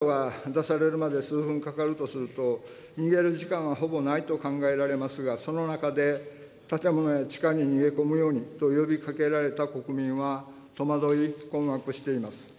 アラートが出されるまで数分かかるとすると、逃げる時間はほぼないと考えられますが、その中で、建物や地下に逃げ込むようにと呼びかけられた国民は戸惑い、困惑しています。